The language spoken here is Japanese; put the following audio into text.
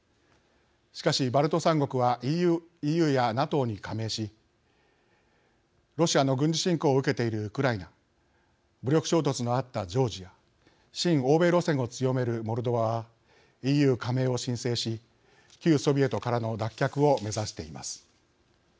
しかし、バルト３国はＥＵやＮＡＴＯに加盟しロシアの軍事侵攻を受けているウクライナ武力衝突のあったジョージア親欧米路線を強めるモルドバはＥＵ加盟を申請し旧ソビエトからの脱却を目指しています。